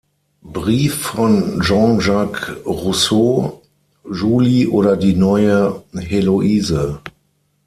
Brief von Jean-Jacques Rousseaus "Julie oder Die neue Heloise.